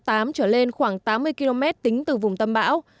cấp tám trở lên khoảng tám mươi km tính từ vùng tầm bão